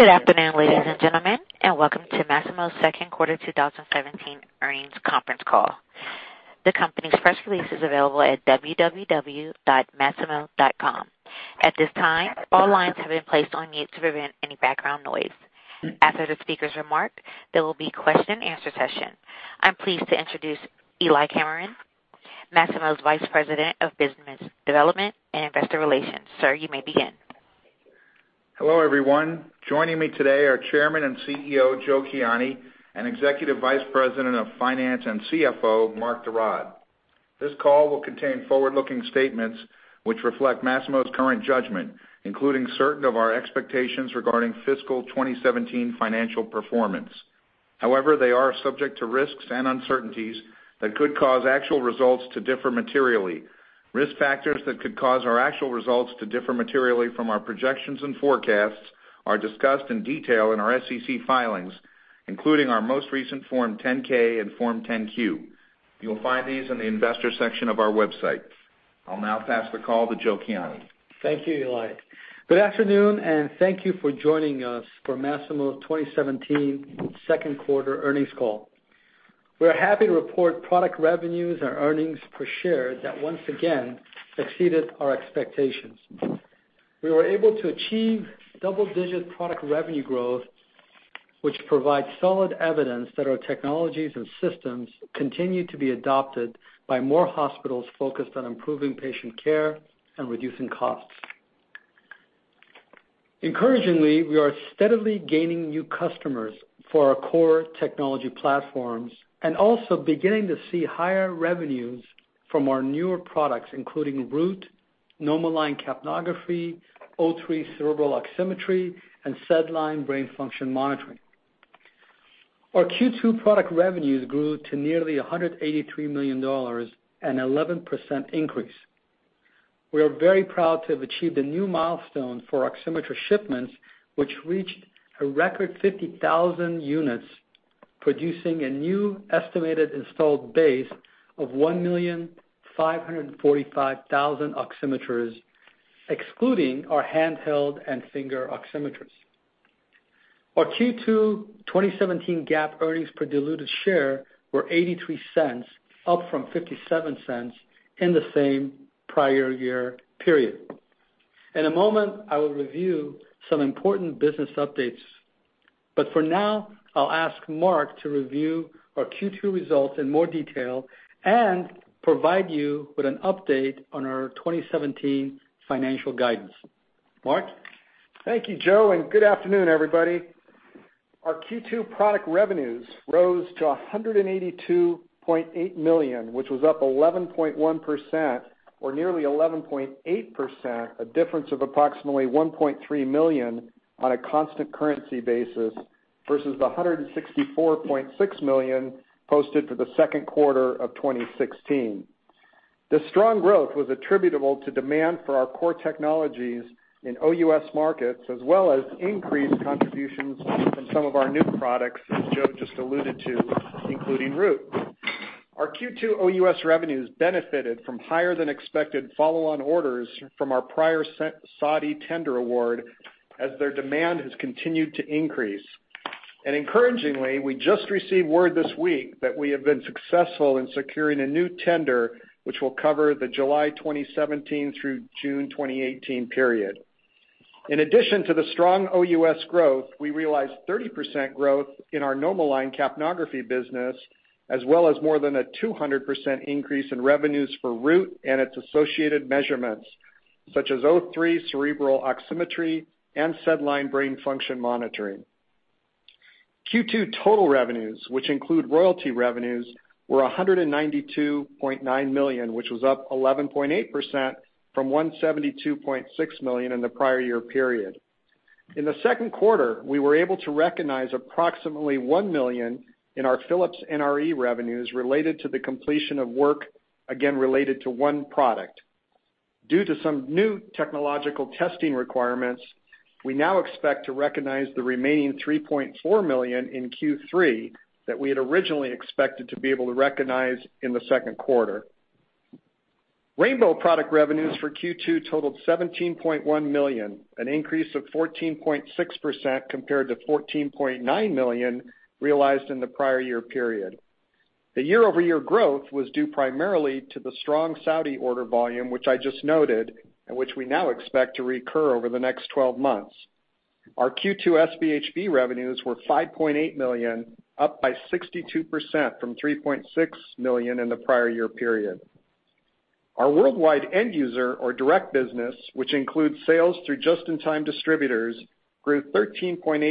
Good afternoon, ladies and gentlemen, and welcome to Masimo's second quarter 2017 earnings conference call. The company's press release is available at www.masimo.com. At this time, all lines have been placed on mute to prevent any background noise. After the speakers remark, there will be question and answer session. I'm pleased to introduce Eli Kammerman, Masimo's Vice President of Business Development and Investor Relations. Sir, you may begin. Hello, everyone. Joining me today are Chairman and CEO, Joe Kiani, and Executive Vice President of Finance and CFO, Mark de Raad. This call will contain forward-looking statements which reflect Masimo's current judgment, including certain of our expectations regarding fiscal 2017 financial performance. However, they are subject to risks and uncertainties that could cause actual results to differ materially. Risk factors that could cause our actual results to differ materially from our projections and forecasts, are discussed in detail in our SEC filings, including our most recent Form 10-K and Form 10-Q. You will find these in the investor section of our website. I'll now pass the call to Joe Kiani. Thank you, Eli. Good afternoon, and thank you for joining us for Masimo 2017 second quarter earnings call. We are happy to report product revenues and earnings per share that once again exceeded our expectations. We were able to achieve double-digit product revenue growth, which provides solid evidence that our technologies and systems continue to be adopted by more hospitals focused on improving patient care and reducing costs. Encouragingly, we are steadily gaining new customers for our core technology platforms, and also beginning to see higher revenues from our newer products including Root, NomoLine capnography, O3 cerebral oximetry, and SedLine brain function monitoring. Our Q2 product revenues grew to nearly $183 million, an 11% increase. We are very proud to have achieved a new milestone for oximeter shipments, which reached a record 50,000 units, producing a new estimated installed base of 1,545,000 oximeters, excluding our handheld and finger oximeters. Our Q2 2017 GAAP earnings per diluted share were $0.83, up from $0.57 in the same prior year period. In a moment, I will review some important business updates, but for now, I'll ask Mark to review our Q2 results in more detail and provide you with an update on our 2017 financial guidance. Mark? Thank you, Joe, and good afternoon, everybody. Our Q2 product revenues rose to $182.8 million, which was up 11.1% or nearly 11.8%, a difference of approximately $1.3 million on a constant currency basis, versus the $164.6 million posted for the second quarter of 2016. The strong growth was attributable to demand for our core technologies in OUS markets, as well as increased contributions from some of our new products, as Joe just alluded to, including Root. Our Q2 OUS revenues benefited from higher than expected follow-on orders from our prior Saudi tender award, as their demand has continued to increase. Encouragingly, we just received word this week that we have been successful in securing a new tender, which will cover the July 2017 through June 2018 period. In addition to the strong OUS growth, we realized 30% growth in our NomoLine capnography business, as well as more than a 200% increase in revenues for Root and its associated measurements, such as O3 cerebral oximetry and SedLine brain function monitoring. Q2 total revenues, which include royalty revenues, were $192.9 million, which was up 11.8% from $172.6 million in the prior year period. In the second quarter, we were able to recognize approximately $1 million in our Philips NRE revenues related to the completion of work, again related to one product. Due to some new technological testing requirements, we now expect to recognize the remaining $3.4 million in Q3 that we had originally expected to be able to recognize in the second quarter. Rainbow product revenues for Q2 totaled $17.1 million, an increase of 14.6% compared to $14.9 million realized in the prior year period. The year-over-year growth was due primarily to the strong Saudi order volume, which I just noted, and which we now expect to recur over the next 12 months. Our Q2 SpHb revenues were $5.8 million, up by 62% from $3.6 million in the prior year period. Our worldwide end user or direct business, which includes sales through just-in-time distributors, grew 13.8%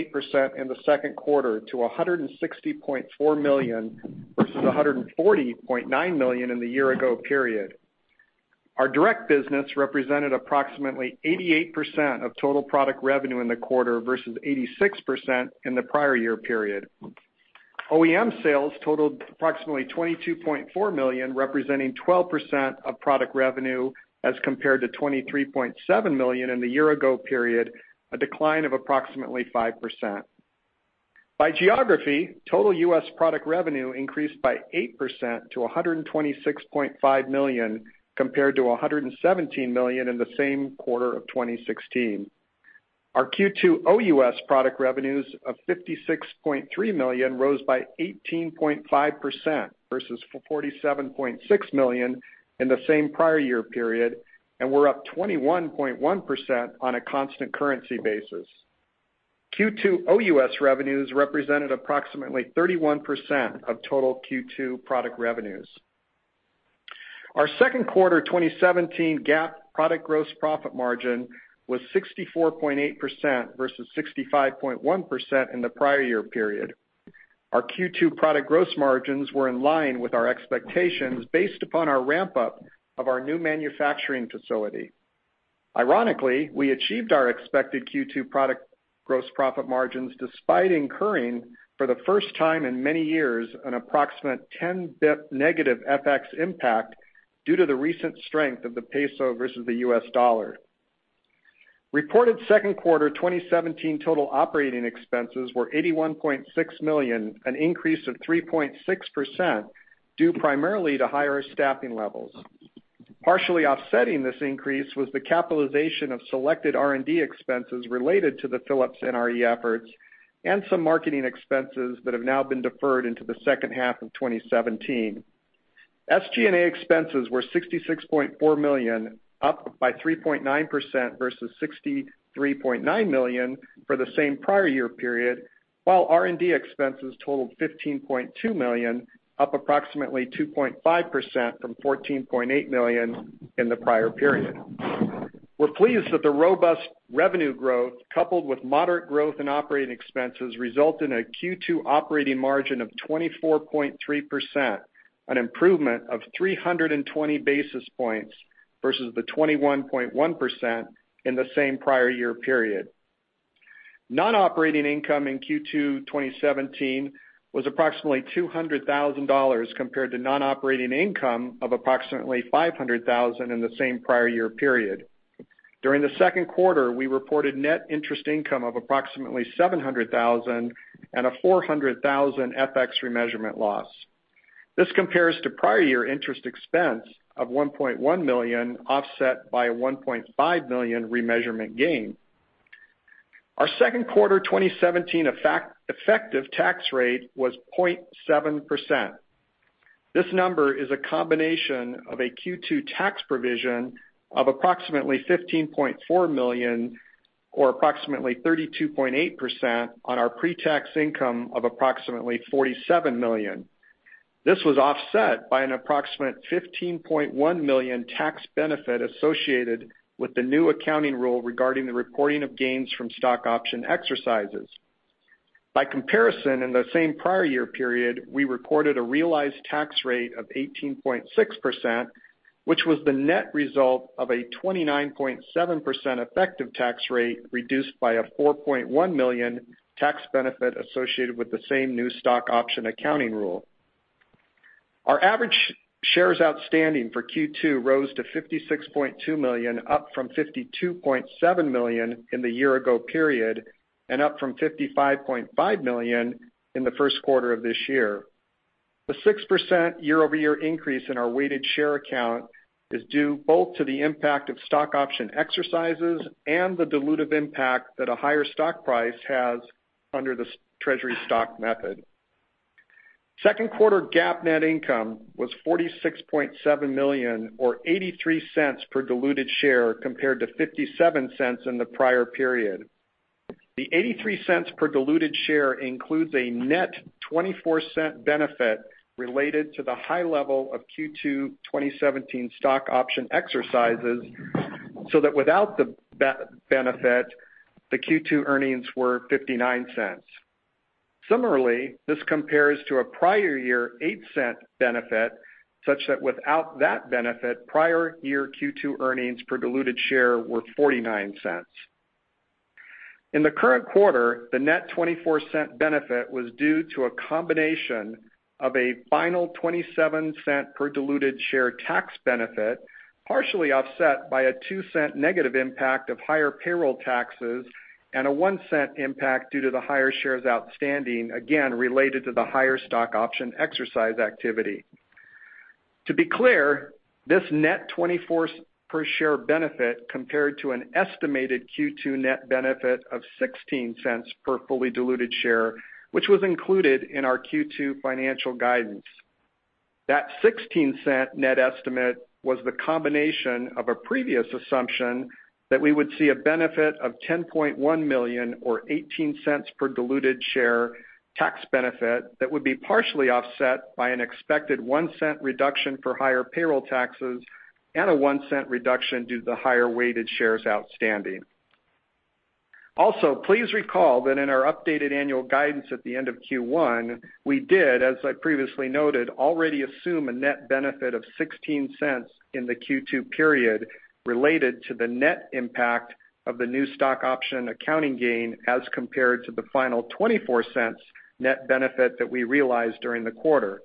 in the second quarter to $160.4 million versus $140.9 million in the year ago period. Our direct business represented approximately 88% of total product revenue in the quarter versus 86% in the prior year period. OEM sales totaled approximately $22.4 million, representing 12% of product revenue as compared to $23.7 million in the year ago period, a decline of approximately 5%. By geography, total U.S. product revenue increased by 8% to $126.5 million, compared to $117 million in the same quarter of 2016. Our Q2 OUS product revenues of $56.3 million rose by 18.5% versus $47.6 million in the same prior year period, and we're up 21.1% on a constant currency basis. Q2 OUS revenues represented approximately 31% of total Q2 product revenues. Our second quarter 2017 GAAP product gross profit margin was 64.8% versus 65.1% in the prior year period. Our Q2 product gross margins were in line with our expectations based upon our ramp-up of our new manufacturing facility. Ironically, we achieved our expected Q2 product gross profit margins despite incurring, for the first time in many years, an approximate 10 BP negative FX impact due to the recent strength of the peso versus the U.S. dollar. Reported second quarter 2017 total operating expenses were $81.6 million, an increase of 3.6%, due primarily to higher staffing levels. Partially offsetting this increase was the capitalization of selected R&D expenses related to the Philips NRE efforts and some marketing expenses that have now been deferred into the second half of 2017. SG&A expenses were $66.4 million, up by 3.9% versus $63.9 million for the same prior year period, while R&D expenses totaled $15.2 million, up approximately 2.5% from $14.8 million in the prior period. We're pleased that the robust revenue growth, coupled with moderate growth in operating expenses, result in a Q2 operating margin of 24.3%, an improvement of 320 basis points versus the 21.1% in the same prior year period. Non-operating income in Q2 2017 was approximately $200,000 compared to non-operating income of approximately $500,000 in the same prior year period. During the second quarter, we reported net interest income of approximately $700,000 and a $400,000 FX remeasurement loss. This compares to prior year interest expense of $1.1 million, offset by a $1.5 million remeasurement gain. Our second quarter 2017 effective tax rate was 0.7%. This number is a combination of a Q2 tax provision of approximately $15.4 million or approximately 32.8% on our pre-tax income of approximately $47 million. This was offset by an approximate $15.1 million tax benefit associated with the new accounting rule regarding the reporting of gains from stock option exercises. By comparison, in the same prior year period, we reported a realized tax rate of 18.6%, which was the net result of a 29.7% effective tax rate, reduced by a $4.1 million tax benefit associated with the same new stock option accounting rule. Our average shares outstanding for Q2 rose to 56.2 million, up from 52.7 million in the year ago period and up from 55.5 million in the first quarter of this year. The 6% year-over-year increase in our weighted share count is due both to the impact of stock option exercises and the dilutive impact that a higher stock price has under the treasury stock method. Second quarter GAAP net income was $46.7 million, or $0.83 per diluted share, compared to $0.57 in the prior period. The $0.83 per diluted share includes a net $0.24 benefit related to the high level of Q2 2017 stock option exercises, so that without the benefit, the Q2 earnings were $0.59. Similarly, this compares to a prior year $0.08 benefit, such that without that benefit, prior year Q2 earnings per diluted share were $0.49. In the current quarter, the net $0.24 benefit was due to a combination of a final $0.27 per diluted share tax benefit, partially offset by a $0.02 negative impact of higher payroll taxes and a $0.01 impact due to the higher shares outstanding, again, related to the higher stock option exercise activity. To be clear, this net $0.24 per share benefit compared to an estimated Q2 net benefit of $0.16 per fully diluted share, which was included in our Q2 financial guidance. That $0.16 net estimate was the combination of a previous assumption that we would see a benefit of $10.1 million or $0.18 per diluted share tax benefit that would be partially offset by an expected $0.01 reduction for higher payroll taxes and a $0.01 reduction due to the higher weighted shares outstanding. Please recall that in our updated annual guidance at the end of Q1, we did, as I previously noted, already assume a net benefit of $0.16 in the Q2 period related to the net impact of the new stock option accounting gain as compared to the final $0.24 net benefit that we realized during the quarter.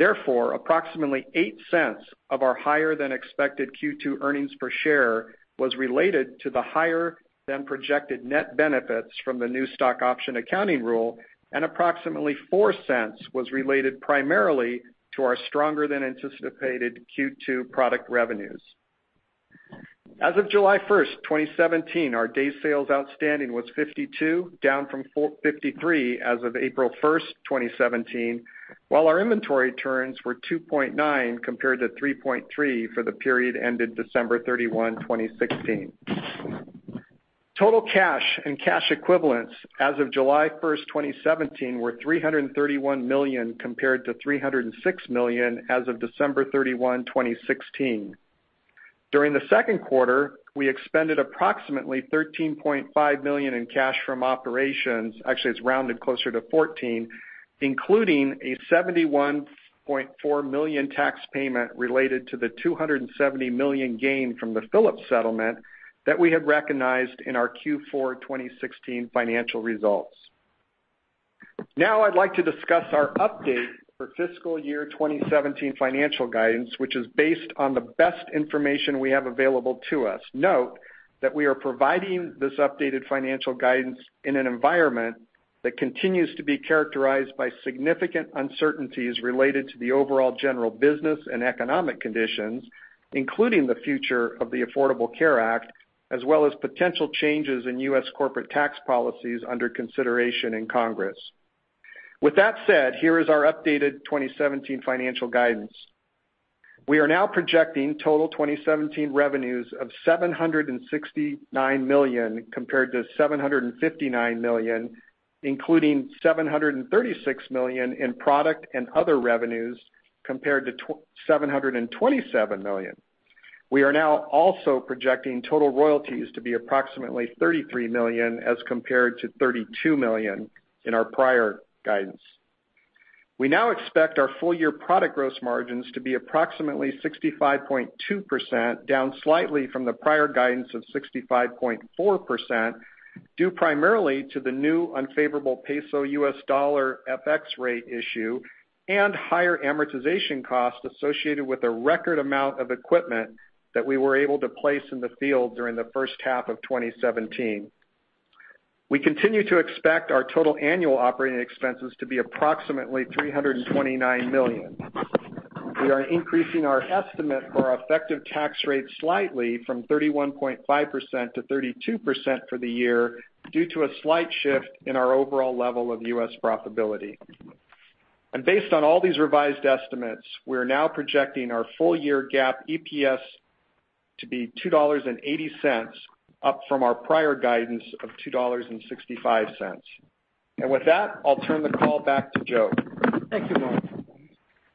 Approximately $0.08 of our higher than expected Q2 earnings per share was related to the higher than projected net benefits from the new stock option accounting rule, and approximately $0.04 was related primarily to our stronger than anticipated Q2 product revenues. As of July 1st, 2017, our day sales outstanding was 52, down from 53 as of April 1st, 2017, while our inventory turns were 2.9 compared to 3.3 for the period ended December 31, 2016. Total cash and cash equivalents as of July 1st, 2017, were $331 million compared to $306 million as of December 31, 2016. During the second quarter, we expended approximately $13.5 million in cash from operations, actually it's rounded closer to $14, including a $71.4 million tax payment related to the $270 million gain from the Philips settlement that we had recognized in our Q4 2016 financial results. I'd like to discuss our update for fiscal year 2017 financial guidance, which is based on the best information we have available to us. Note that we are providing this updated financial guidance in an environment that continues to be characterized by significant uncertainties related to the overall general business and economic conditions, including the future of the Affordable Care Act, as well as potential changes in U.S. corporate tax policies under consideration in Congress. With that said, here is our updated 2017 financial guidance. We are now projecting total 2017 revenues of $769 million compared to $759 million, including $736 million in product and other revenues compared to $727 million. We are now also projecting total royalties to be approximately $33 million as compared to $32 million in our prior guidance. We now expect our full year product gross margins to be approximately 65.2%, down slightly from the prior guidance of 65.4%, due primarily to the new unfavorable peso/U.S. dollar FX rate issue and higher amortization cost associated with the record amount of equipment that we were able to place in the field during the first half of 2017. We continue to expect our total annual operating expenses to be approximately $329 million. We are increasing our estimate for our effective tax rate slightly from 31.5% to 32% for the year due to a slight shift in our overall level of U.S. profitability. Based on all these revised estimates, we are now projecting our full year GAAP EPS to be $2.80, up from our prior guidance of $2.65. With that, I'll turn the call back to Joe. Thank you, Mark.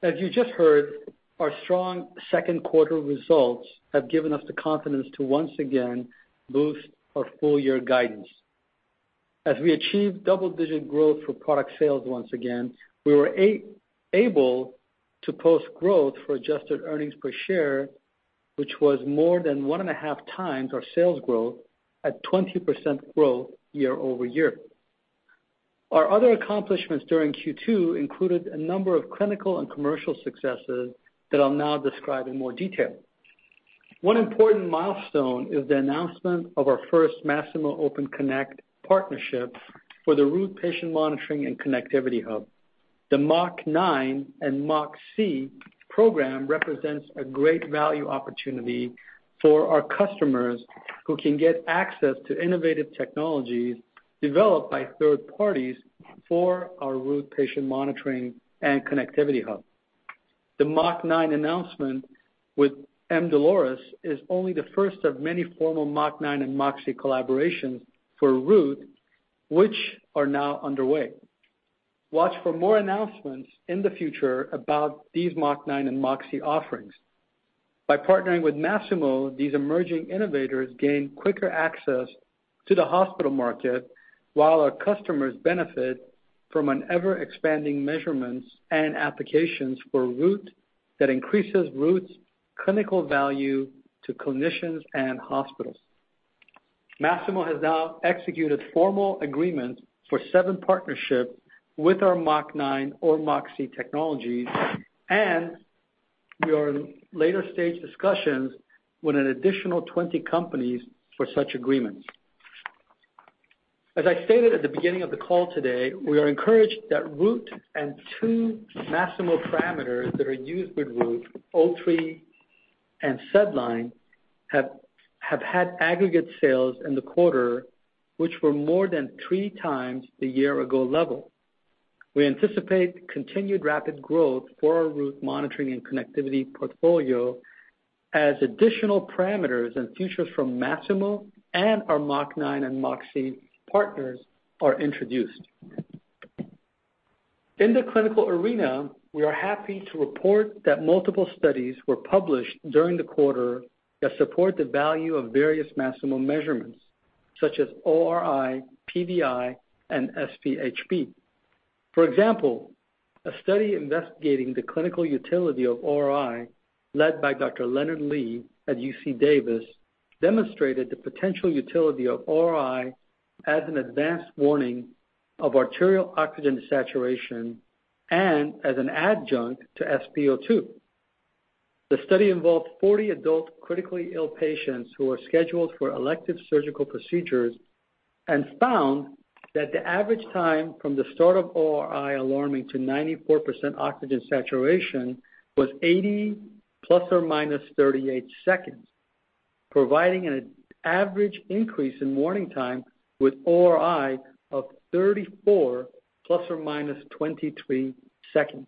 As you just heard, our strong second quarter results have given us the confidence to once again boost our full year guidance. As we achieved double-digit growth for product sales once again, we were able to post growth for adjusted earnings per share, which was more than one and a half times our sales growth at 20% growth year-over-year. Our other accomplishments during Q2 included a number of clinical and commercial successes that I'll now describe in more detail. One important milestone is the announcement of our first Masimo Open Connect partnership for the Root patient monitoring and connectivity hub. The MOC-9 and MOC program represents a great value opportunity for our customers who can get access to innovative technologies developed by third parties for our Root patient monitoring and connectivity hub. The MOC-9 announcement with Medable is only the first of many formal MOC-9 and MOC collaborations for Root, which are now underway. Watch for more announcements in the future about these MOC-9 and MOC offerings. By partnering with Masimo, these emerging innovators gain quicker access to the hospital market, while our customers benefit from an ever-expanding measurements and applications for Root that increases Root's clinical value to clinicians and hospitals. Masimo has now executed formal agreements for seven partnerships with our MOC-9 or MOC technologies, and we are in later stage discussions with an additional 20 companies for such agreements. As I stated at the beginning of the call today, we are encouraged that Root and two Masimo parameters that are used with Root, O3 and SedLine, have had aggregate sales in the quarter, which were more than three times the year ago level. We anticipate continued rapid growth for our Root monitoring and connectivity portfolio as additional parameters and features from Masimo and our MOC-9 and MOC partners are introduced. In the clinical arena, we are happy to report that multiple studies were published during the quarter that support the value of various Masimo measurements, such as ORi, PVi, and SpHb. For example, a study investigating the clinical utility of ORi, led by Dr. Leonard Lee at UC Davis, demonstrated the potential utility of ORi as an advanced warning of arterial oxygen saturation and as an adjunct to SpO2. The study involved 40 adult critically ill patients who were scheduled for elective surgical procedures and found that the average time from the start of ORi alarming to 94% oxygen saturation was 80 ± 38 seconds, providing an average increase in warning time with ORi of 34 ± 23 seconds.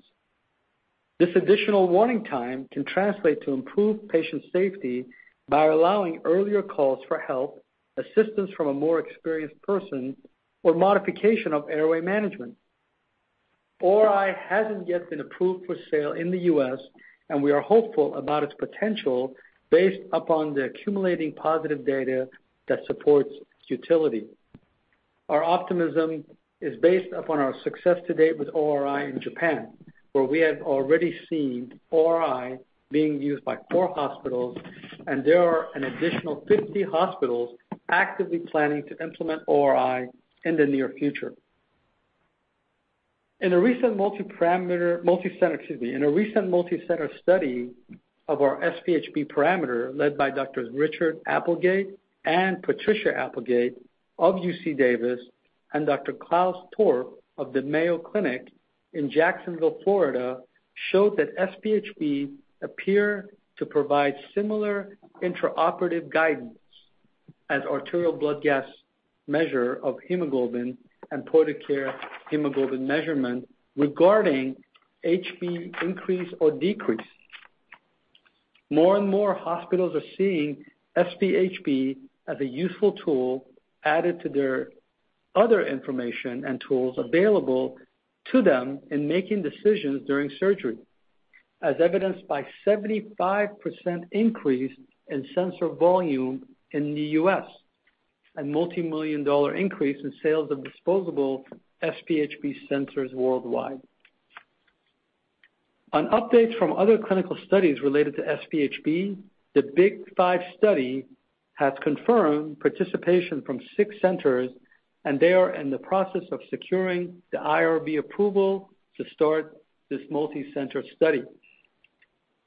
This additional warning time can translate to improved patient safety by allowing earlier calls for help, assistance from a more experienced person, or modification of airway management. ORi hasn't yet been approved for sale in the U.S., and we are hopeful about its potential based upon the accumulating positive data that supports its utility. Our optimism is based upon our success to date with ORi in Japan, where we have already seen ORi being used by four hospitals, and there are an additional 50 hospitals actively planning to implement ORi in the near future. In a recent multi-parameter Multi-center. In a recent multi-center study of our SpHb parameter led by Doctors Richard Applegate and Patricia Applegate of UC Davis, and Dr. Klaus Torp of the Mayo Clinic in Jacksonville, Florida, showed that SpHb appear to provide similar intraoperative guidance as arterial blood gas measure of hemoglobin and point-of-care hemoglobin measurement regarding HB increase or decrease. More and more hospitals are seeing SpHb as a useful tool added to their other information and tools available to them in making decisions during surgery, as evidenced by 75% increase in sensor volume in the U.S. and multi-million dollar increase in sales of disposable SpHb sensors worldwide. Updates from other clinical studies related to SpHb, the Big Five study has confirmed participation from six centers, and they are in the process of securing the IRB approval to start this multi-center study.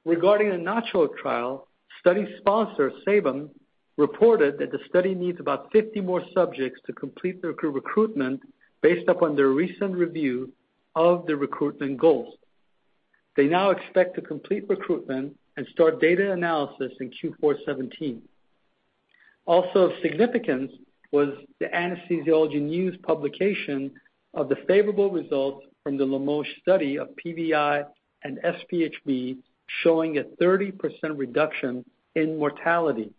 Regarding the NACHO trial, study sponsor, [Sabatolimab], reported that the study needs about 50 more subjects to complete their recruitment based upon their recent review of the recruitment goals. They now expect to complete recruitment and start data analysis in Q4 2017. Also of significance was the Anesthesiology News publication of the favorable results from the Limoges study of PVi and SpHb showing a 30% reduction in mortality,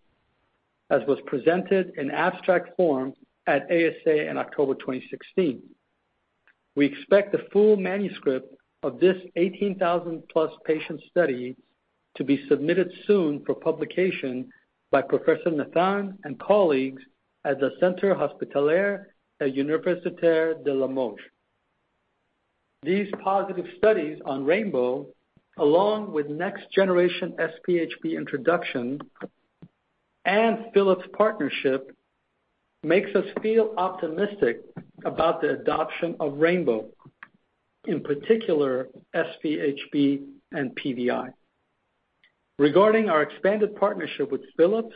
as was presented in abstract form at ASA in October 2016. We expect the full manuscript of this 18,000 plus patient study to be submitted soon for publication by Professor Nathan and colleagues at the Centre Hospitalier Universitaire de Limoges. These positive studies on Rainbow, along with next generation SpHb introduction and Philips partnership, makes us feel optimistic about the adoption of Rainbow, in particular, SpHb and PVi. Regarding our expanded partnership with Philips,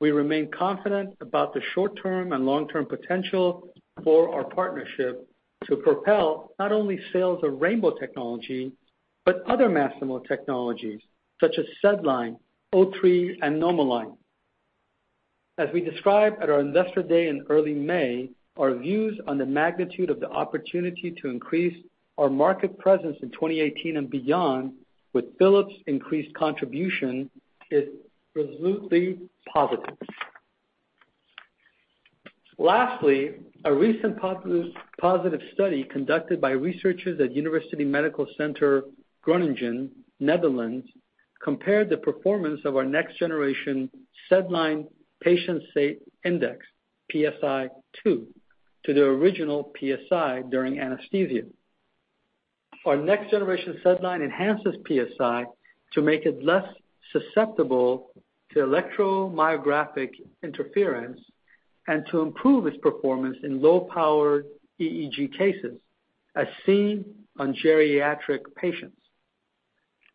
we remain confident about the short-term and long-term potential for our partnership to propel not only sales of Rainbow technology, but other Masimo technologies such as SedLine, O3 and NomoLine. We described at our investor day in early May, our views on the magnitude of the opportunity to increase our market presence in 2018 and beyond with Philips increased contribution is resolutely positive. A recent positive study conducted by researchers at University Medical Center Groningen, Netherlands, compared the performance of our next generation SedLine Patient Safety Index, PSI II, to the original PSI during anesthesia. Our next generation SedLine enhances PSI to make it less susceptible to electromyographic interference and to improve its performance in low-powered EEG cases, as seen on geriatric patients.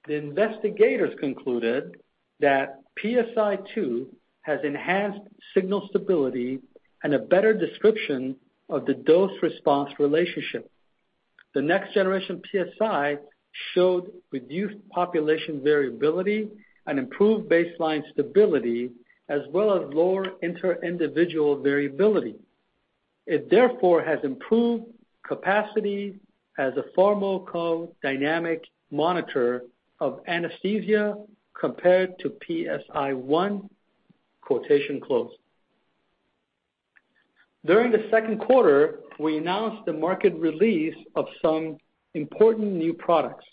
The investigators concluded that, "PSI II has enhanced signal stability and a better description of the dose-response relationship. The next generation PSI showed reduced population variability and improved baseline stability as well as lower inter-individual variability. It therefore has improved capacity as a pharmacodynamic monitor of anesthesia compared to PSI one. During the second quarter, we announced the market release of some important new products.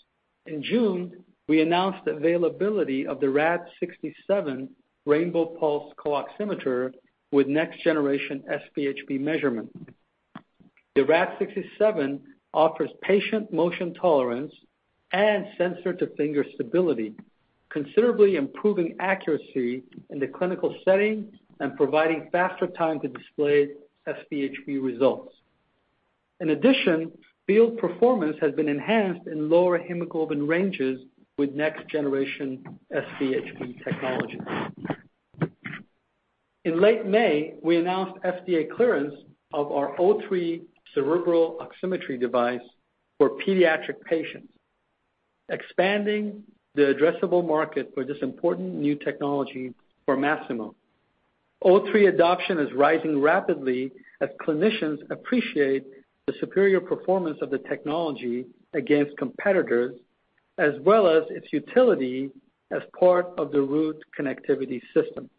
June, we announced availability of the Rad-67 Rainbow Pulse CO-Oximeter with next generation SpHb measurement. The Rad-67 offers patient motion tolerance and sensor-to-finger stability, considerably improving accuracy in the clinical setting and providing faster time to display SpHb results. Field performance has been enhanced in lower hemoglobin ranges with next-generation SpHb technology. Late May, we announced FDA clearance of our O3 cerebral oximetry device for pediatric patients, expanding the addressable market for this important new technology for Masimo. O3 adoption is rising rapidly as clinicians appreciate the superior performance of the technology against competitors, as well as its utility as part of the Root connectivity system.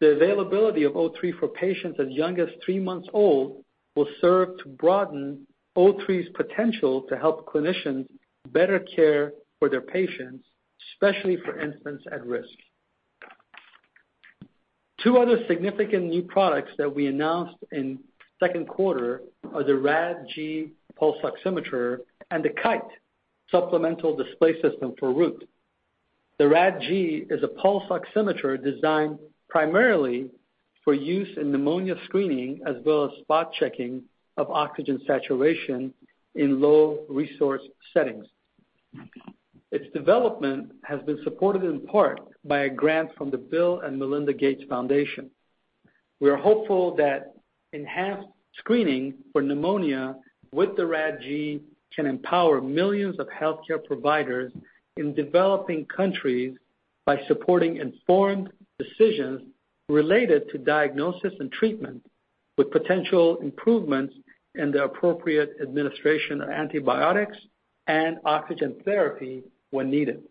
The availability of O3 for patients as young as three months old will serve to broaden O3's potential to help clinicians better care for their patients, especially for infants at risk. Two other significant new products that we announced in second quarter are the Rad-G pulse oximeter and the Kite supplemental display system for Root. The Rad-G is a pulse oximeter designed primarily for use in pneumonia screening as well as spot-checking of oxygen saturation in low-resource settings. Its development has been supported in part by a grant from the Bill & Melinda Gates Foundation. We are hopeful that enhanced screening for pneumonia with the Rad-G can empower millions of healthcare providers in developing countries by supporting informed decisions related to diagnosis and treatment, with potential improvements in the appropriate administration of antibiotics and oxygen therapy when needed.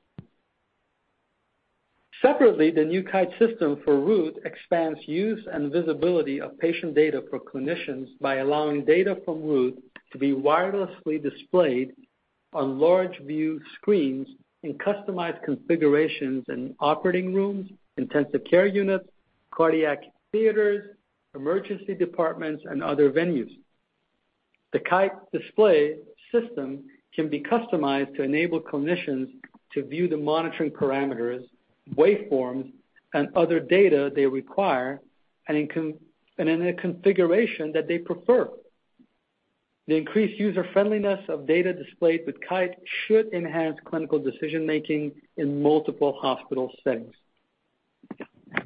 Separately, the new Kite system for Root expands use and visibility of patient data for clinicians by allowing data from Root to be wirelessly displayed on large-view screens in customized configurations in operating rooms, intensive care units, cardiac theaters, emergency departments, and other venues. The Kite display system can be customized to enable clinicians to view the monitoring parameters, waveforms, and other data they require and in a configuration that they prefer. The increased user-friendliness of data displayed with Kite should enhance clinical decision-making in multiple hospital settings.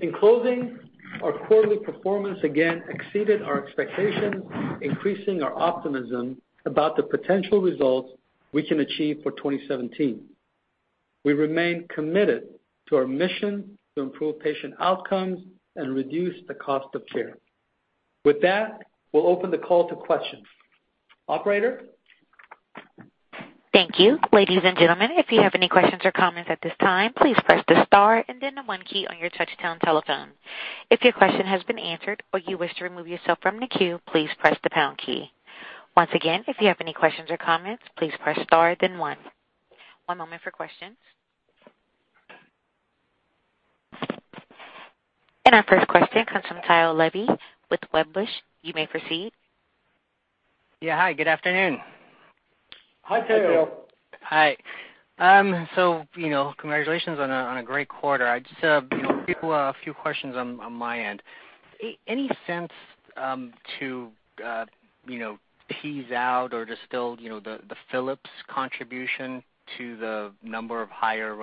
In closing, our quarterly performance again exceeded our expectations, increasing our optimism about the potential results we can achieve for 2017. We remain committed to our mission to improve patient outcomes and reduce the cost of care. With that, we'll open the call to questions. Operator? Thank you. Ladies and gentlemen, if you have any questions or comments at this time, please press the star and then the one key on your touch-tone telephone. If your question has been answered or you wish to remove yourself from the queue, please press the pound key. Once again, if you have any questions or comments, please press star then one. One moment for questions. Our first question comes from Tao Levy with Wedbush. You may proceed. Yeah. Hi, good afternoon. Hi, Tao. Hi. Congratulations on a great quarter. I just have a few questions on my end. Any sense to tease out or distill the Philips contribution to the number of higher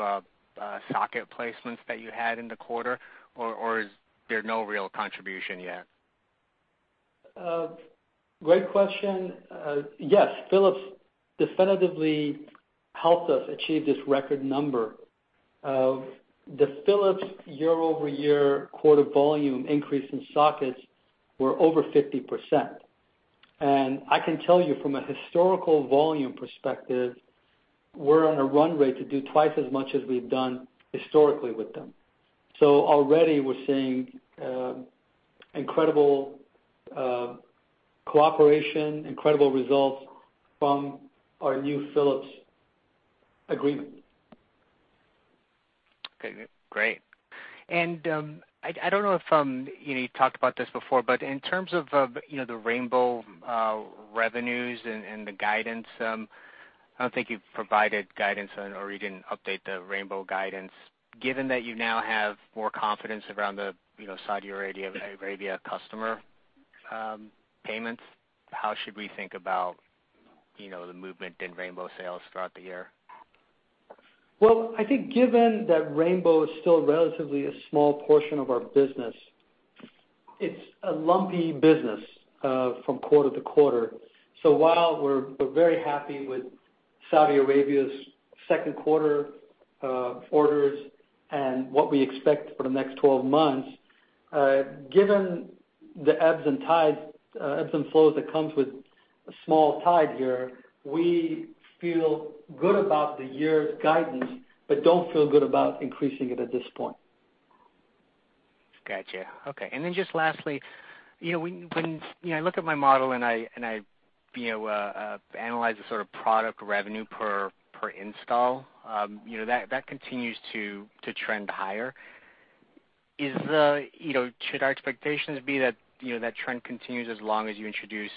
socket placements that you had in the quarter, or is there no real contribution yet? Great question. Yes, Philips definitively helped us achieve this record number. The Philips year-over-year quarter volume increase in sockets were over 50%. I can tell you from a historical volume perspective, we're on a run rate to do twice as much as we've done historically with them. Already we're seeing incredible cooperation, incredible results from our new Philips agreement. Okay, great. I don't know if you talked about this before, but in terms of the Rainbow revenues and the guidance, I don't think you've provided guidance on or you didn't update the Rainbow guidance. Given that you now have more confidence around the Saudi Arabia customer payments, how should we think about the movement in Rainbow sales throughout the year? Well, I think given that Rainbow is still relatively a small portion of our business, it's a lumpy business from quarter to quarter. While we're very happy with Saudi Arabia's second quarter orders and what we expect for the next 12 months, given the ebbs and flows that comes with a small tide here, we feel good about the year's guidance but don't feel good about increasing it at this point. Got you. Okay. Just lastly, when I look at my model and I analyze the sort of product revenue per install, that continues to trend higher. Should our expectations be that trend continues as long as you introduce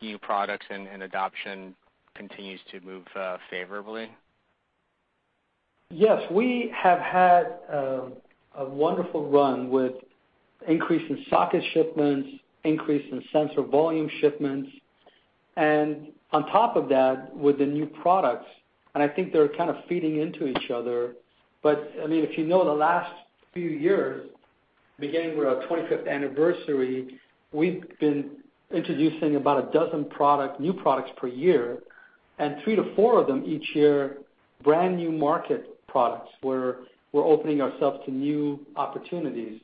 new products and adoption continues to move favorably? Yes. We have had a wonderful run with increase in socket shipments, increase in sensor volume shipments. On top of that, with the new products, and I think they're kind of feeding into each other. If you know the last few years, beginning with our 25th anniversary, we've been introducing about a dozen new products per year, and three to four of them each year, brand new market products, where we're opening ourselves to new opportunities.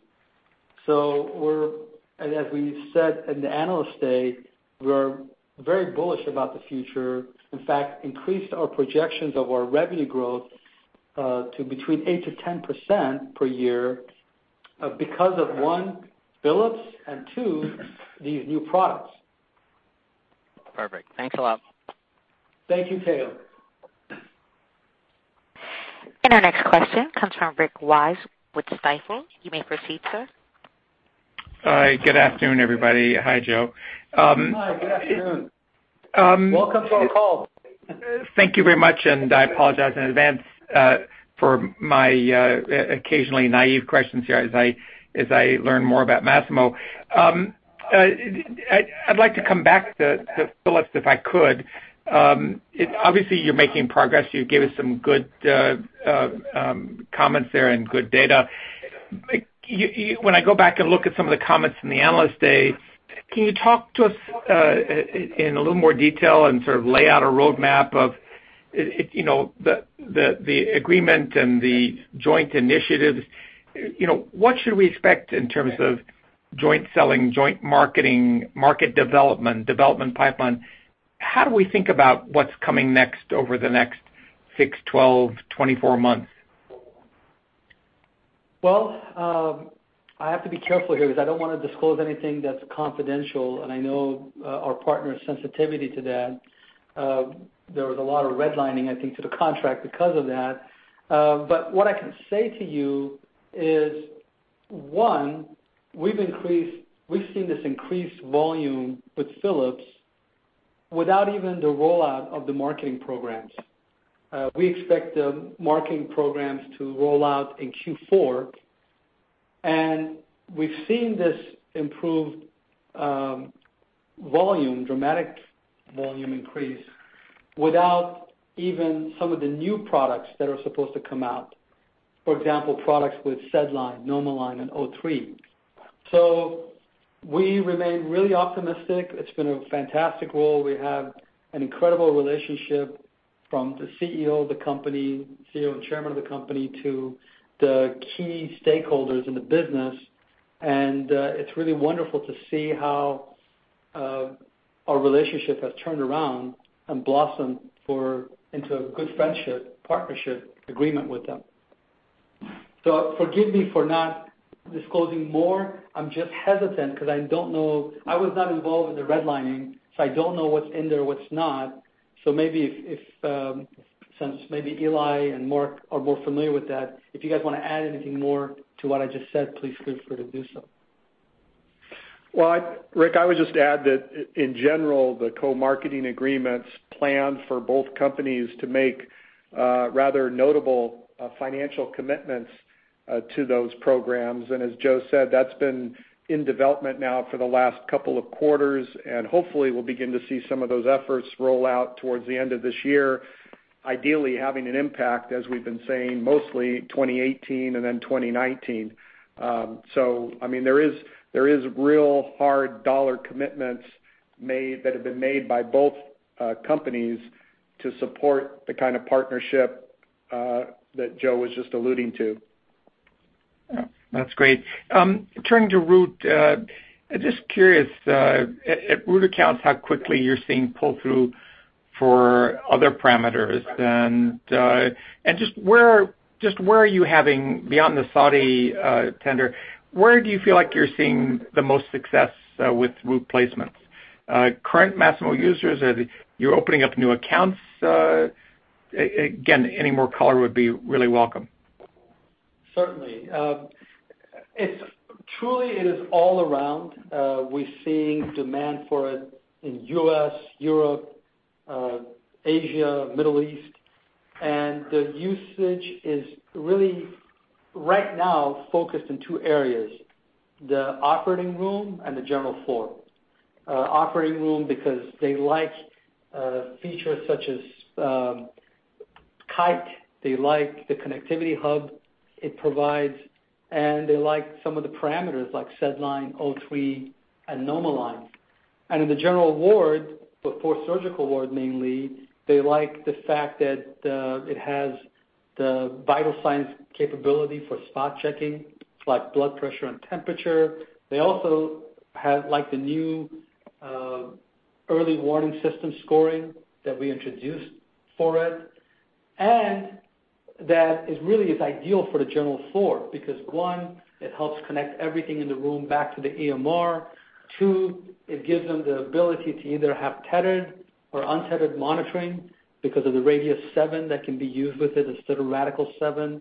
As we said in the Analyst Day, we're very bullish about the future. In fact, increased our projections of our revenue growth to between 8% to 10% per year because of one, Philips, and two, these new products. Perfect. Thanks a lot. Thank you, Tao. Our next question comes from Rick Wise with Stifel. You may proceed, sir. Hi, good afternoon, everybody. Hi, Joe. Hi, good afternoon. Welcome to our call. Thank you very much. I apologize in advance for my occasionally naive questions here as I learn more about Masimo. I'd like to come back to Philips if I could. Obviously you're making progress. You gave us some good comments there and good data. When I go back and look at some of the comments from the Analyst Day, can you talk to us in a little more detail and sort of lay out a roadmap of the agreement and the joint initiatives? What should we expect in terms of joint selling, joint marketing, market development pipeline? How do we think about what's coming next over the next six, 12, 24 months? Well, I have to be careful here because I don't want to disclose anything that's confidential. I know our partner's sensitivity to that. There was a lot of red lining, I think, to the contract because of that. What I can say to you is, one, we've seen this increased volume with Philips without even the rollout of the marketing programs. We expect the marketing programs to roll out in Q4. We've seen this improved volume, dramatic volume increase, without even some of the new products that are supposed to come out. For example, products with SedLine, NomoLine and O3. We remain really optimistic. It's been a fantastic role. We have an incredible relationship from the CEO of the company, CEO and Chairman of the company, to the key stakeholders in the business. It's really wonderful to see how our relationship has turned around and blossomed into a good friendship, partnership agreement with them. Forgive me for not disclosing more. I'm just hesitant because I was not involved in the red lining, so I don't know what's in there, what's not. Maybe since Eli and Mark are more familiar with that, if you guys want to add anything more to what I just said, please feel free to do so. Well, Rick, I would just add that in general, the co-marketing agreements plan for both companies to make rather notable financial commitments to those programs. As Joe said, that's been in development now for the last couple of quarters, and hopefully we'll begin to see some of those efforts roll out towards the end of this year, ideally having an impact, as we've been saying, mostly 2018 and then 2019. There is real hard dollar commitments that have been made by both companies to support the kind of partnership that Joe was just alluding to. That's great. Turning to Root, just curious, at Root accounts how quickly you're seeing pull-through for other parameters and just where are you having, beyond the Saudi tender, where do you feel like you're seeing the most success with Root placements? Current Masimo users? You're opening up new accounts? Again, any more color would be really welcome. Certainly. Truly it is all around. We're seeing demand for it in U.S., Europe, Asia, Middle East. The usage is really, right now, focused in two areas, the operating room and the general floor. Operating room because they like features such as Kite, they like the connectivity hub it provides, and they like some of the parameters like SedLine, O3, and NomoLine. In the general ward, but for surgical ward mainly, they like the fact that it has the vital signs capability for spot checking, like blood pressure and temperature. They also like the new early warning system scoring that we introduced for it. That is really is ideal for the general floor because one, it helps connect everything in the room back to the EMR. Two, it gives them the ability to either have tethered or untethered monitoring Because of the Radius-7 that can be used with it instead of Radical-7.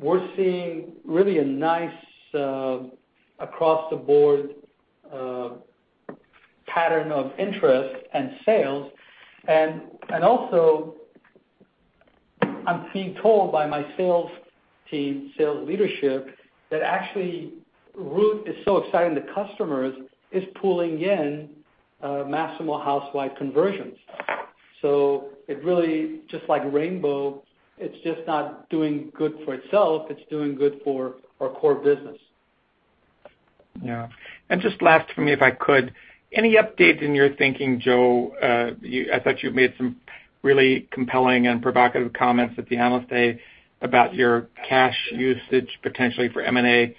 We're seeing really a nice across-the-board pattern of interest and sales. Also, I'm being told by my sales team, sales leadership, that actually Root is so exciting to customers, it's pulling in Masimo Housewide conversions. It really, just like Rainbow, it's just not doing good for itself, it's doing good for our core business. Yeah. Just last for me, if I could, any updates in your thinking, Joe? I thought you made some really compelling and provocative comments at the Analyst Day about your cash usage, potentially for M&A.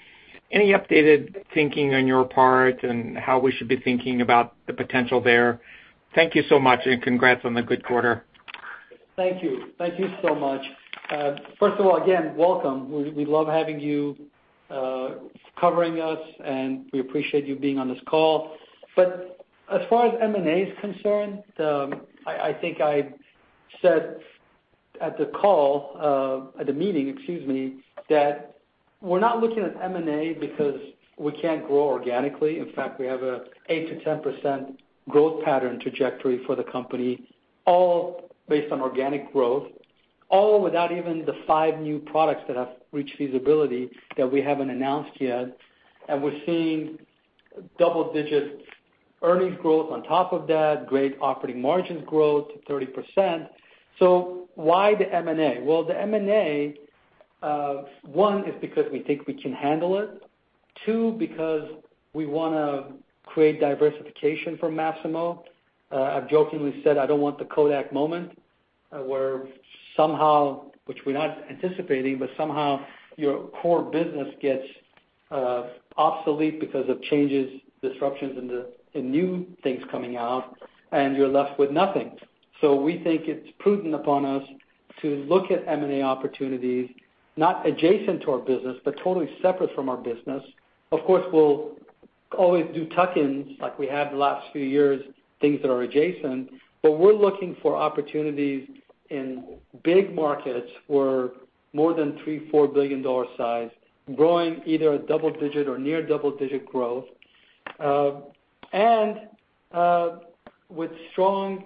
Any updated thinking on your part and how we should be thinking about the potential there? Thank you so much, and congrats on the good quarter. Thank you. Thank you so much. First of all, again, welcome. We love having you covering us, and we appreciate you being on this call. As far as M&A is concerned, I think I said at the call, at the meeting, excuse me, that we're not looking at M&A because we can't grow organically. In fact, we have an 8%-10% growth pattern trajectory for the company, all based on organic growth, all without even the five new products that have reached feasibility that we haven't announced yet. And we're seeing double-digit earnings growth on top of that, great operating margins growth, 30%. Why the M&A? The M&A, one, is because we think we can handle it. Two, because we want to create diversification for Masimo. I've jokingly said, I don't want the Kodak moment, where somehow, which we're not anticipating, but somehow your core business gets obsolete because of changes, disruptions, and new things coming out, and you're left with nothing. We think it's prudent upon us to look at M&A opportunities, not adjacent to our business, but totally separate from our business. Of course, we'll always do tuck-ins like we have the last few years, things that are adjacent. We're looking for opportunities in big markets, where more than three, four billion dollar size, growing either a double-digit or near double-digit growth. With strong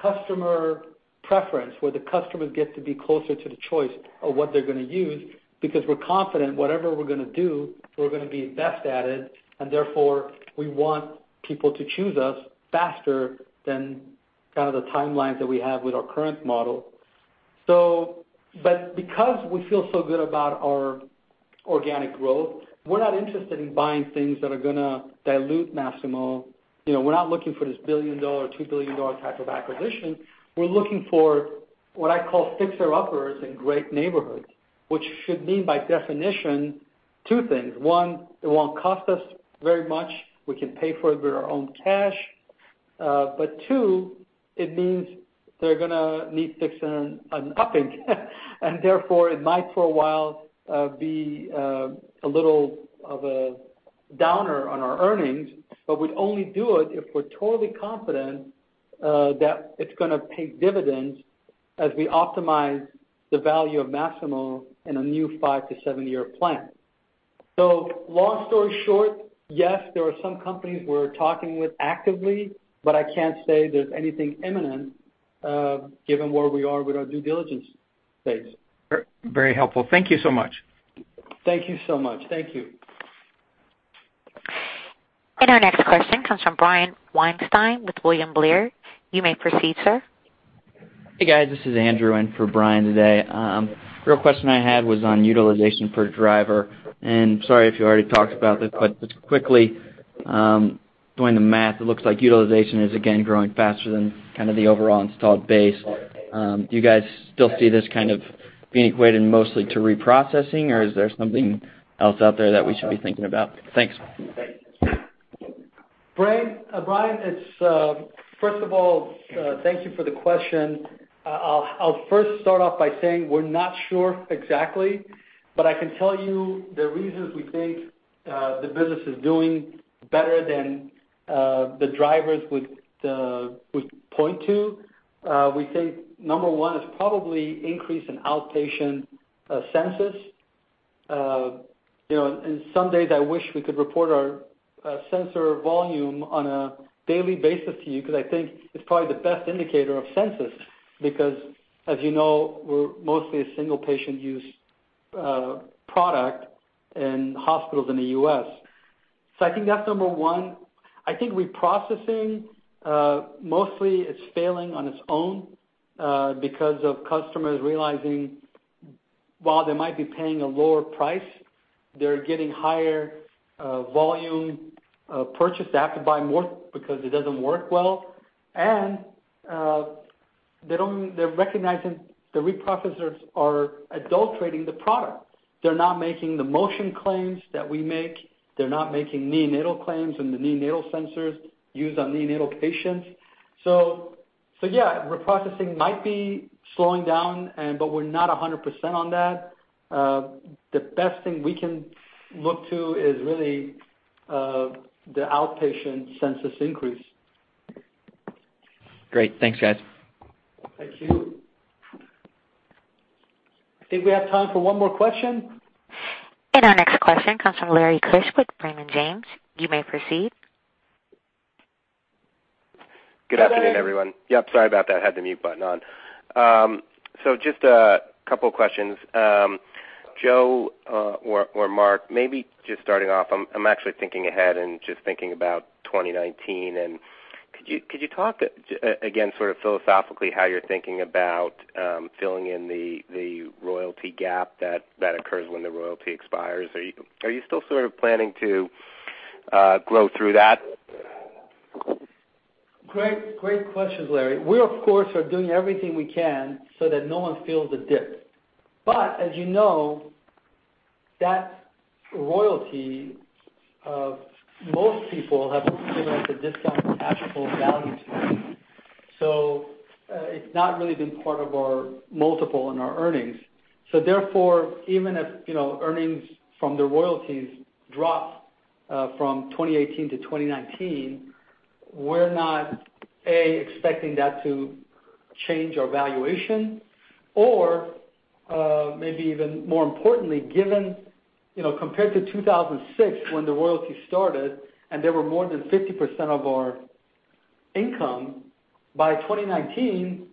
customer preference, where the customers get to be closer to the choice of what they're going to use, because we're confident whatever we're going to do, we're going to be the best at it, and therefore, we want people to choose us faster than kind of the timelines that we have with our current model. Because we feel so good about our organic growth, we're not interested in buying things that are going to dilute Masimo. We're not looking for this billion-dollar or two billion dollar type of acquisition. We're looking for what I call fixer-uppers in great neighborhoods, which should mean by definition, two things. One, it won't cost us very much. We can pay for it with our own cash. Two, it means they're going to need fixing and upping. Therefore, it might, for a while, be a little of a downer on our earnings, but we'd only do it if we're totally confident that it's going to pay dividends as we optimize the value of Masimo in a new five to seven-year plan. Long story short, yes, there are some companies we're talking with actively, but I can't say there's anything imminent, given where we are with our due diligence phase. Very helpful. Thank you so much. Thank you so much. Thank you. Our next question comes from Brian Weinstein with William Blair. You may proceed, sir. Hey, guys. This is Andrew in for Brian today. The real question I had was on utilization per driver. Sorry if you already talked about this, but just quickly, doing the math, it looks like utilization is again growing faster than kind of the overall installed base. Do you guys still see this kind of being equated mostly to reprocessing, or is there something else out there that we should be thinking about? Thanks. Brian, first of all, thank you for the question. I'll first start off by saying we're not sure exactly, but I can tell you the reasons we think the business is doing better than the drivers would point to. We think number one is probably increase in outpatient census. Some days I wish we could report our sensor volume on a daily basis to you because I think it's probably the best indicator of census because, as you know, we're mostly a single-patient use product in hospitals in the U.S. I think that's number one. I think reprocessing, mostly it's failing on its own, because of customers realizing while they might be paying a lower price, they're getting higher volume purchase. They have to buy more because it doesn't work well. They're recognizing the reprocessors are adulterating the product. They're not making the motion claims that we make. They're not making neonatal claims and the neonatal sensors used on neonatal patients. Yeah, reprocessing might be slowing down, but we're not 100% on that. The best thing we can look to is really Of the outpatient census increase. Great. Thanks, guys. Thank you. I think we have time for one more question. Our next question comes from Lawrence Keusch with Raymond James. You may proceed. Good afternoon, everyone. Yep, sorry about that, had the mute button on. Just a couple of questions. Joe or Mark, maybe just starting off, I'm actually thinking ahead and just thinking about 2019, could you talk again sort of philosophically how you're thinking about filling in the royalty gap that occurs when the royalty expires? Are you still sort of planning to grow through that? Great questions, Larry. We, of course, are doing everything we can so that no one feels a dip. As you know, that royalty of most people have looked at it as a discount valuable value to it. It's not really been part of our multiple in our earnings. Therefore, even if earnings from the royalties drop from 2018 to 2019, we're not, A, expecting that to change our valuation or maybe even more importantly, given compared to 2006 when the royalty started and they were more than 50% of our income, by 2019,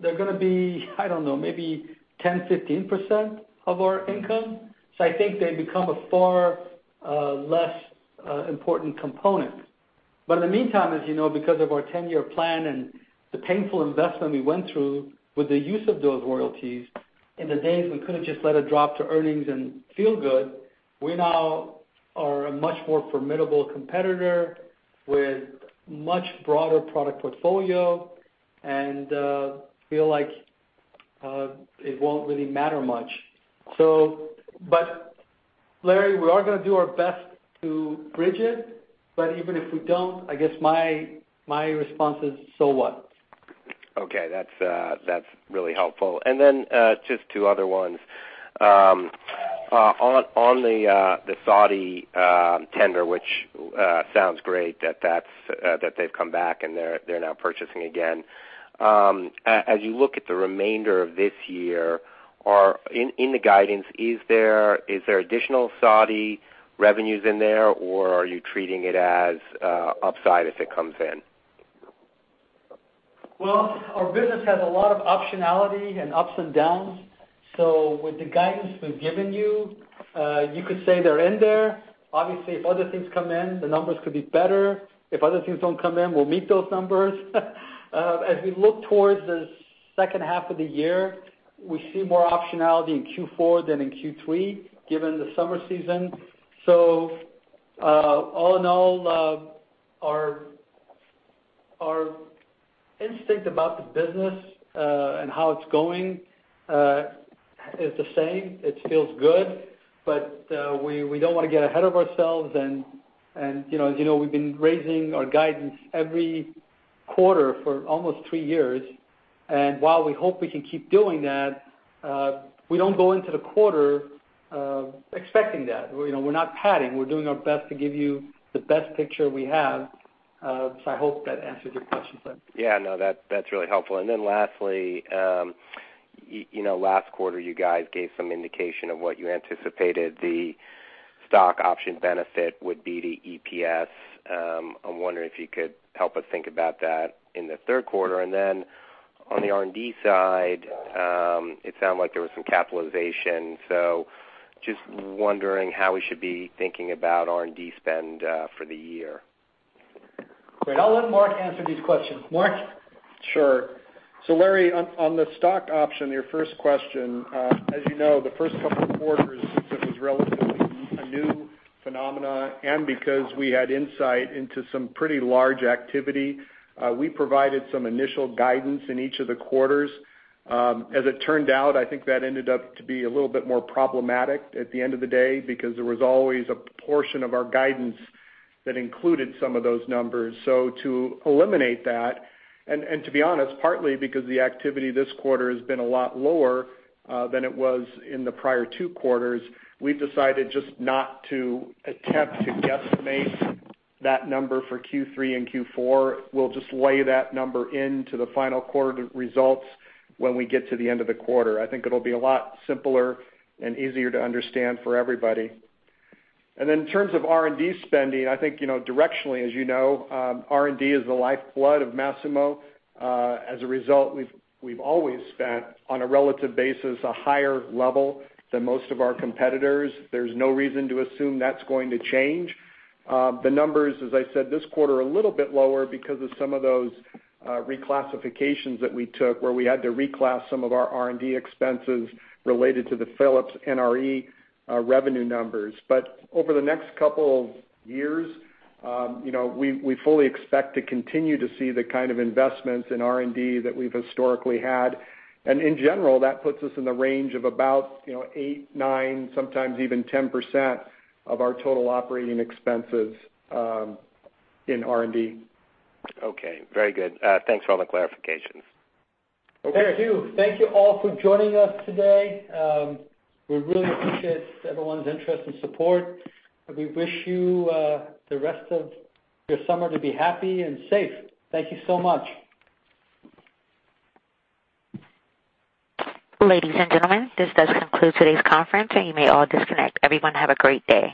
they're going to be, I don't know, maybe 10, 15% of our income. I think they become a far less important component. In the meantime, as you know, because of our 10-year plan and the painful investment we went through with the use of those royalties, in the days we could've just let it drop to earnings and feel good, we now are a much more formidable competitor with much broader product portfolio and feel like it won't really matter much. Larry, we are going to do our best to bridge it, but even if we don't, I guess my response is, so what? Okay. That's really helpful. Then, just two other ones. On the Saudi tender, which sounds great that they've come back and they're now purchasing again. As you look at the remainder of this year, or in the guidance, is there additional Saudi revenues in there, or are you treating it as upside if it comes in? Well, our business has a lot of optionality and ups and downs. With the guidance we've given you could say they're in there. Obviously, if other things come in, the numbers could be better. If other things don't come in, we'll meet those numbers. As we look towards the second half of the year, we see more optionality in Q4 than in Q3, given the summer season. All in all, our instinct about the business, and how it's going, is the same. It feels good, but we don't want to get ahead of ourselves, and as you know, we've been raising our guidance every quarter for almost three years, and while we hope we can keep doing that, we don't go into the quarter expecting that. We're not padding. We're doing our best to give you the best picture we have, so I hope that answers your question, sir. Lastly, last quarter, you guys gave some indication of what you anticipated the stock option benefit would be to EPS. I'm wondering if you could help us think about that in the third quarter. On the R&D side, it sounded like there was some capitalization. Just wondering how we should be thinking about R&D spend for the year. Great. I'll let Mark answer these questions. Mark? Sure. Larry, on the stock option, your first question, as you know, the first couple of quarters, since it was relatively a new phenomenon and because we had insight into some pretty large activity, we provided some initial guidance in each of the quarters. As it turned out, I think that ended up to be a little bit more problematic at the end of the day because there was always a portion of our guidance that included some of those numbers. To eliminate that, and to be honest, partly because the activity this quarter has been a lot lower than it was in the prior two quarters, we've decided just not to attempt to guesstimate that number for Q3 and Q4. We'll just lay that number into the final quarter results when we get to the end of the quarter. I think it'll be a lot simpler and easier to understand for everybody. In terms of R&D spending, I think directionally, as you know, R&D is the lifeblood of Masimo. As a result, we've always spent, on a relative basis, a higher level than most of our competitors. There's no reason to assume that's going to change. The numbers, as I said, this quarter are a little bit lower because of some of those reclassifications that we took where we had to reclass some of our R&D expenses related to the Philips NRE revenue numbers. Over the next couple of years, we fully expect to continue to see the kind of investments in R&D that we've historically had. In general, that puts us in the range of about eight, nine, sometimes even 10% of our total operating expenses in R&D. Okay. Very good. Thanks for all the clarifications. Thank you. Thank you all for joining us today. We really appreciate everyone's interest and support, and we wish you the rest of your summer to be happy and safe. Thank you so much. Ladies and gentlemen, this does conclude today's conference, and you may all disconnect. Everyone, have a great day.